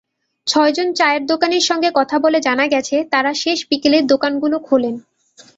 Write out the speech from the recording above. ছয়জন চায়ের দোকানির সঙ্গে কথা বলে জানা গেছে, তাঁরা শেষ বিকেলে দোকানগুলো খোলেন।